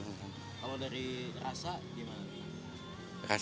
kalau dari rasa gimana